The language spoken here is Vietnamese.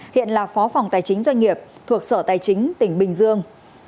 hiện là phó phòng tài chính doanh nghiệp thuộc sở tài chính tỉnh bình dương